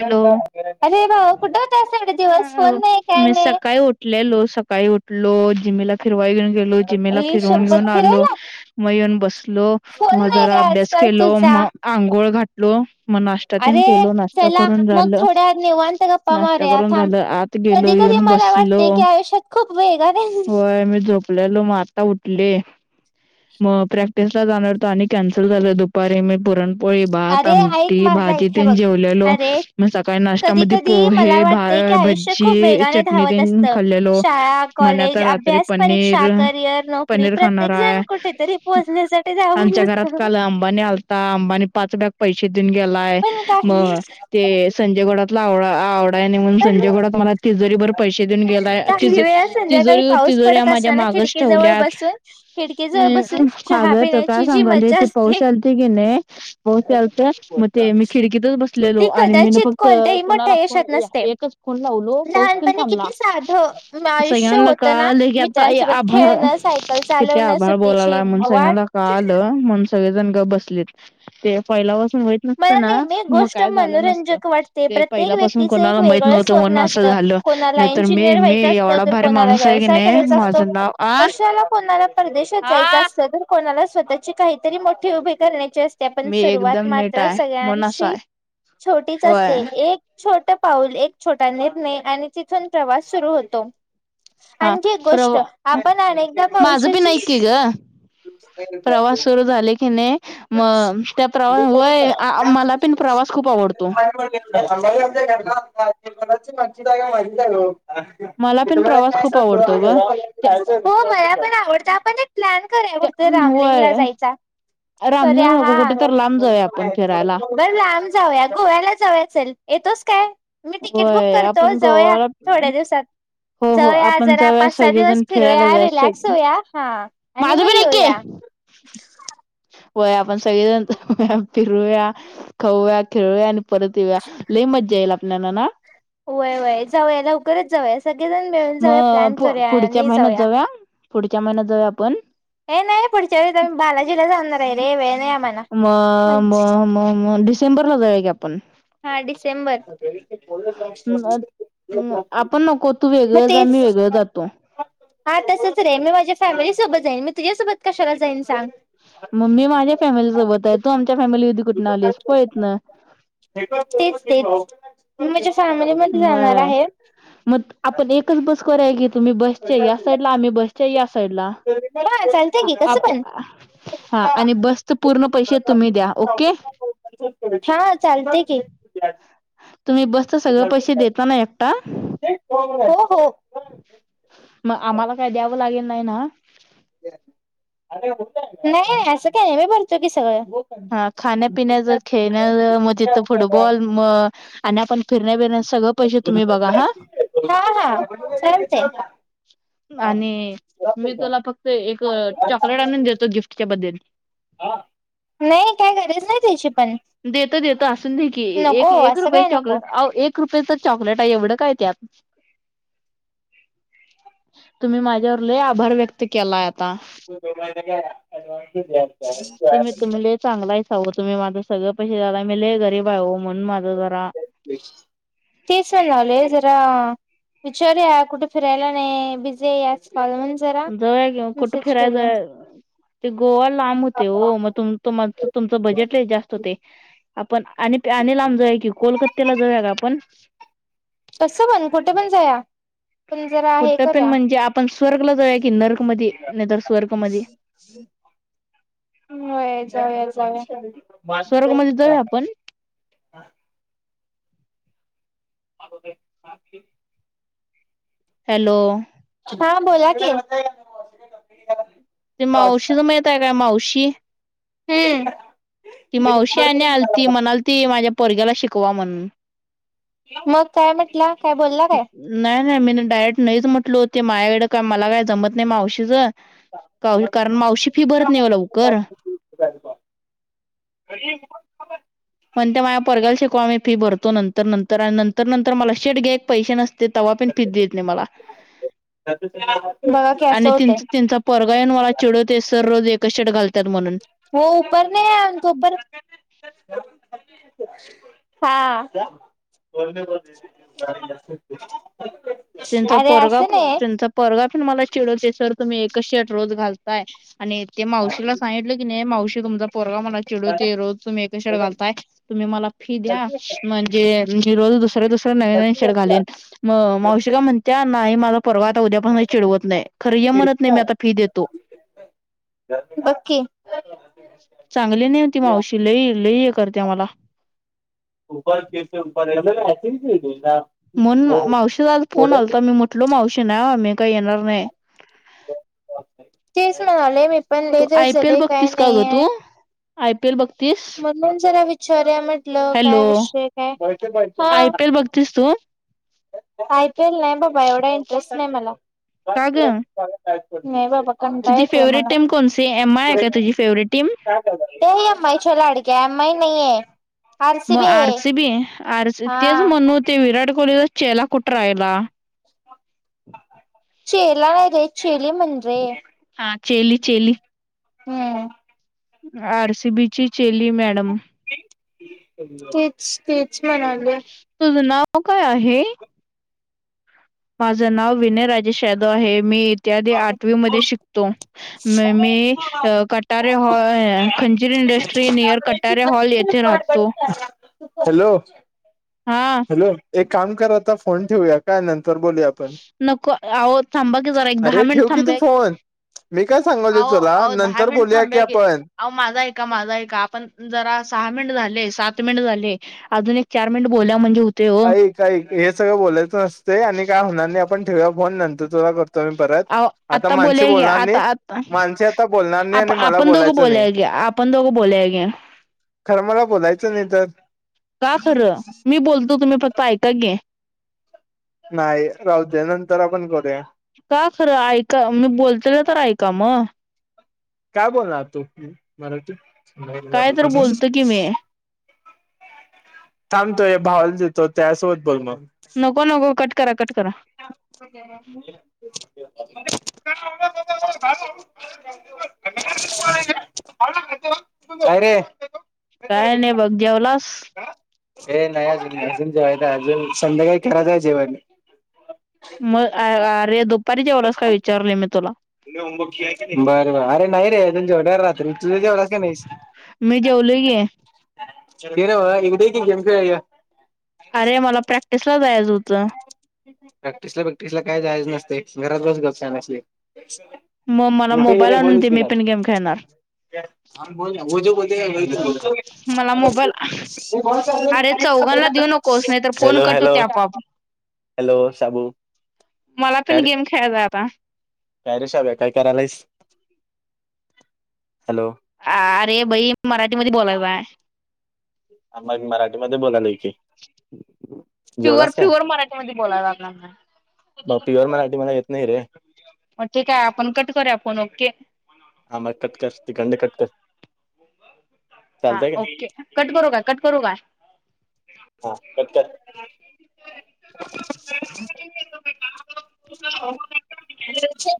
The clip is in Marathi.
हॅलो, अरे भाऊ कुठे होतास एवढे दिवस फोन [unintelligible] नाही काय मी नाही. सकाळी उठ उठलेलो, सकाळी उठलो, जिम्मीला फिरवाई घेऊन गेलो, जिम्मीला आई फिरवून शपथ घेऊन आलो. फिरायला मग येऊन बसलो, फोन मग नाही रे जरा अभ्यास आजकाल केलो, तुझा मग आंघोळ घातलो, म नाष्ट सॅटिन [unintelligible] अरे केलो नास चला मग, थोड्या निवांत गप्पा नाश्ता मारुया करून थांब, झालं आत गेलो कधी कधी येऊन मला बसलो वाटते की आयुष्यात खूप वेगळ आहे [unintelligible] होय मी झोपलेलो मग आता उठले. मग प्रॅक्टिसला जाणार तर आणि कॅन्सल झालं दुपारी मी पुरण पोळी, भात, अरे ऐक आमटी, माझा भाजी ऐक हे तेन बघ. जेवलेलो. अरे मग सकाळी कधी नाष्टामध्ये कधी मला पोहे, वाटते की आयुष्य खूप भज्जी वेगाने चटणी धावत तेन असतं. खाल्लेलो. शाळा, म्हणे कॉलेज, आता रात्री अभ्यास, परीक्षा, पनीर करिअर, नोकरी पनीर खाणार प्रत्येक जण आहे. कुठेतरी पोहोचण्यासाठी धावत आमच्या घरात असतो. काल अंबानी आलंत हा अंबानी पाच बॅग पैसे देऊन गेलाय, पण काही मग ते संजय घोडातला आवडा आवड त्यांनी म्हणून पण संजयघोडत मला तिजोरी भर पैसे देऊन गेलाय, काही तिजो वेळा संध्याकाळी तिजोरीवर पाऊस तिजोऱ्या पडत माझ्या असताना माग खिडकीजवळ ठेवल्यात बसून खिडकीजवळ मी बसून चहा अगं काय पिण्याची जी सांगाली मज्जा ते पाऊस असते आलत की नाही हो चालत मग ते मी खिडकीतच बसलेलो ती आणि मी कदाचित फक्त कोणत्याही मोठ्या कुणाला फोन यशात ये नसते. एकच फोन लावलो पाऊस पणं लहानपणी थांबला किती साधं आयुष्य सगळ्यांना होतं ना कळालकी की आ ताई मित्रांसोबत आभाळ, खेळणं सायकल किती चालवणं आभाळ सुट्टीची बोलाला म्हण वाट सगळ्याला कळाल म्ह सगळे जण गबसलेत ते पहिल्या पासून माहित नसत ना मग काय झालं अस रंजक वाटते प्रत्येक व्यक्तीचं एक माहित वेगळं नव्हतं म्हणून स्वप्न असं असतं, झालं कोणाला नाहीतर मी इंजिनियर मी व्हायचं असतं एवढा तर भारी कोणाला माणूस आहे की व्यवसाय नाही करायचा असतो माझं नाव आ कशाला कोणाला परदेशात जायच हा असत तर कोणाला स्वतःची काहीतरी मोठी उभी करण्याची असते पण मी सुरुवात एकदम मात नीट मात्र आहे म्हणून असं सगळ्यांशी आहे छोटीच होय असते एक छोट पाऊल, एक छोटा निर्णय आणि तिथून प्रवास सुरू होतो. हा आणखी एक गोष्ट, प्रवा आपण अनेकदा माझं बी नाही भविष्याची की ग प्रवास सुरू झाले की नाही म त्या प्रवास वय मला पण प्रवास खूप आवडतो. माझी जागा आहे ओ मला [unintelligible] मी पण तुम्हाला प्रवास खूप कायसांगतो आवडतो ग माहित आहे का हो मला आवडत आपण एक प्लॅन करुया कुठतं रामलिंगला वय जायचा करूया रामलिंग नको हा कुठे तर लांब जाऊया आपण फिरायला बर लांब जाऊया गोव्याला जाउया चल येतोस काय? मी तिकीट बुक होय करतो, आपण जाऊया गोवाला थोड्या दिवसात. हो हो जाऊया, आपण जरा जाऊया पाच सहा सगळेजण दिवस फिरायला फिरूया जाऊ रिलॅक्स होऊया हा आणि मग येऊया. हं [unintelligible] होय आपण सगळेजण फिरूया, खाऊया खेळूया आणि परत येऊ्या लई मज्जायेईल आपल्याला ना? वय वय जाऊया लवकरच जाऊया सगळेजण मिळून जाऊया मग प्लॅन पु करूया पुढच्या नि महिन्यात जाऊया. पुढच्या महिन्यात जाऊया आपण. हे नाही पुढच्या वेळी आमी बालाजीला जाणार आहे रे वेळ नाही आम्हाला म म्हण म म मोंढीस चेंबूरला जाऊया की आपण. हा डिसेंबर. [unintelligible] आपण नको तू मग वेगळं जा तेच. मी वेगळं जातो हा तसच रे, मी माझ्या फॅमिली सोबत जाईन मी तुझ्यासोबत कशाला जाईन सांग? म मी माझ्या फॅमिली सोबत आहे तू आमच्या फॅमिलीधी कुठून आलीस पळत इतन. तेच ते मी माझ्या फॅमिलीमध्येध जाणार व्हय आहे. मग आपण एकच बस कराय की तुम्ही बसच्या या साईड ला आम्ही बसच्या या साईडला. हा चालेल. आप हा आणि बसचे पूर्ण पैसे तुम्ही द्याल ओके? हा चालतेय की. तुमी बसच सगळे पैसे देताना एकटा? हो हो. म आम्हाला काय द्यावं लागेल नाही ना? नाही, असं काही नाही आम्ही भरतो की सगळं. हा खाण्यापिण्याच, खेळण्याच म तीथ फुटबॉल म आणि आपण फिरण्या बिरण्याच सगळं पैसे तुम्ही बघा हा. हा हा चालतंय. आणि मी तुला फक्त एक चॉकलेट आणून देतो गिफ्टच्या बद्दल. नाही काय गरज नाही त्याची पण. देतो देतो असून दे की नको एक एक असं रुपये काय नको चॉकलेट आओ एक रुपयेच चॉकलेट आहे एवढं काय त्यात? तुम्ही माझ्या वर लय आभार व्यक्त केलाय. आता तुम्ही तुम्ही [inaudible] लय चांगला आहेसाओ तुम्ही माझं सगळं पैसे जाला मले गरीब आहेहो म्हणून माझं जरा तसणाले [unintelligible] जरा विचारू या कुठे फिरायला नाही बिझी आहे या स् कॉल म्हण [unintelligible] जाऊया किवो कुठं फिराय जाऊया. ते गोवा लांब होतय ओ, मग त तुमचं बजेटलय जास्त होतय. आपण, आणि प आणि लांब जाऊया की, कोलकत्याला जाऊया का आपण? कसं पण कुठे पण जाऊया. कुट्टपिण म्हणजे आपण स्वर्गला जाऊया की नर्क मधी, नाही तरर स्वर्ग मधी. व्हय जाऊया स्वर्ग मध्ये जाऊया. जाऊया आपण हा कुठे? हॅलो हा बोला की. ते मावशीच मायताय का मावशी? हम्म. ती मावशी आणि आलती म्हणाल ती माझ्या पोरग्याला शिकवा म्हणून. मग काय म्हटलं, काय बोलला काय? नाही नाही, मीन डायरेक्ट नाहीच म्हटल होते, माझ्याकडे का मला काय जमत नाही मावशीचं. काशी [unintelligible] कारण मावशी फी भरत नाही लवकर. [unintelligible] म्हणते माया पोरग्याला शिकवा आम्ही फी भरतो नंतर नंतर आणि नंतर नंतर मला शेट घेत पैसे नसत ते तवा पण पि देत नाही मला बघा की असं आणि होतंय त्यांचं त्याच पोरगायना मला चिडवतो सर रोज एकाच शर्ट घालत्यात म्हणून. हो उपर नाही आहेपर [unintelligible] हा [unintelligible] त्यांचा अरे पोरगा असं पण नाही त्यांचा पोरगा पण मला चिडवते सर तुम्ही एकच शर्ट रोज घालताय आणि ते मावशीला सांगितलं की नाही मावशी तुमचा पोरगा मला चिडू ते रोज तुम्ही एकच शर्ट घालताय. तुम्ही मला फी द्या म्हणजे मी रोज दुसर दुसर नवेन नवीन शर घालीन. म मावशी का म्हणत्या नाही मला परवा आता उद्यापासून चिडवत नाही खरं य म्हणत नाही मी आता फी देतो. बघ की. चांगली नाहीय ती मावशी लई लई ह्य करते मला. [unintelligible] मण मावशीचा आज फोन आलता, मी म्हटलो मावशी नावा मि काय येणार नाही. तेच ना, लय माहित. तू आय पी एल बघतीस का ग तू, आय पी एल बघतीस? म्हणून जरा विचारुया म्हटलं हॅलो काय विषय काय? हा तीस तु? आय पी एल नाय बाबा, एवढा इंटरेस्ट नाय मला, का ग नाय बाबा. कंटाळा तुझी येतोय फेवरेट मला. टीम कोणसी? एम आय का तुझी फेवरेट टीम? ए एम आय च्या लाडक्या एम आय नाहीे ऐ. म R C B R C तेच हा. म्हणू ते विराट कोहलीचा चेला कुठ राहिला? चेला नाय रे, चेली म्हन रे. हा, चेली चेली. हम्म. आर सी बी ची चेली मॅडम. तेच, तेच म्हणाले. तुझं नाव काय आहे? माझं नाव विनय राजेश यादव आहे मी इ्यादी आठवी मध्ये शिकतो मी कटारे ह खंजिर इंडस्ट ्ट्रि नियर कटार्या हॉल येथे राहतो. हा हॅलो एक काम करा आता फोन ठेवूया काय नंतर बोलूया. नको, अहो थांबा के जरा एक दहा मिनिट थांबया की. आहो, आहो दहा मिनट थांबूया की. अहो माझ ऐका, माझ ऐका, आपण जरा सहा मिनिट झाले, सात मिनिट झाले अजून एक चार मिनिट बोला म्हणजे हो ऐकऐक हे सगळं बोलायचं असतय आणि काय होणार नाही आपण ठेऊया फोन नंतर तुला करतो. अओ आता बोलाय की आता आता आप आपण दोघं बोलाय घ्या की आप पण दोघ बोलुया की. खरं मला बोलायचं नाही तर. का खरं, मी बोलतो तुम्ही फक्त ऐका की? नाही, राहतदे, या नंतर आपण करूया. का खरं ऐका, मी बोलते ना तर ऐका म. काय बोलणार तू मराठी? काय तर बोलतो की मी. थांब तोय भावल देतो त्या सोबत बोल मग. नको नको कट करा, कट करा. [unintelligible] [inaudible] [inaudible] काय रे काय नाही बघ जेवलास? हे नाही अज अजून जेवायचा अजून संध्याकाळी करायचय मग आअ अरे दुपारी जेवलास काय विचारलोय मी तुला. बर बर अरे नाही रे जजून जेवढ्या रात्री तुझ जेवलास का नाहीस? मी जेवलोय की. ते ना इकडे ये की गेम खेळुया म. अरे मला प्रॅक्टिस ला जायचं होतं. प्रॅक्टिस ला प्रॅक्टिस ला काही जायच नसते घरात बस गप शहाना आहेस लयी. मग मला मोबाईल आणून दे मी पण गेम खेळणार. [unintelligible] मला मोबाईल अरे चौघांला देऊ नकोस नाही तर फोन हॅलो कट हॅलो होतय आपोआप. शाबू मला काय पण रे गेम खेळायचा आता. काय रे शाभ्या काय करायलायस? हॅलो. अ अरे भाई मराठी मध्ये बोलांचाय. आ म मराठीमध्ये बोलालोय की. प्युअर जेवलास काय प्युअर मराठी मधे बोलाय लागल्या. मग प्युअर मराठी मला येत नाही रे मग ठीक आहे आपण कट करूया फोन ओके. हा मग कट कर तिकडनं कट कर. हा चालतंय काय ओके कट करू का कट करू का? हा कट कर. [unintelligible] कर.